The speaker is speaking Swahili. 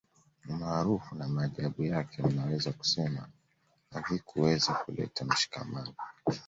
Umaarufu na maajabu yake unaweza kusema havikuweza kuleta mshikamano